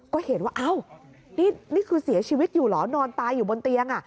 ก็เห็นว่าอ้าวนี่คือเสียชีวิตอยู่เหรอนอนตายอยู่บนเตียง